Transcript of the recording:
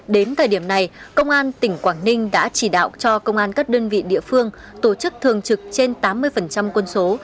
đến thời điểm này công an tỉnh quảng ninh đã chỉ đạo cho công an các đơn vị địa phương tổ chức thường trực trên tám mươi quân số